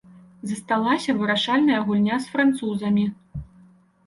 Засталася вырашальная гульня з французамі.